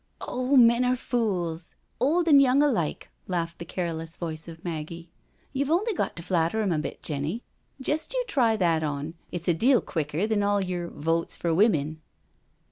" Oh, men are fules, old an* young alike," laughed the careless voice of Maggie. " YouVe only got to flatter 'em a bit, Jenny. Jest you try that on, it's a deal quicker than all yer Votes for Women.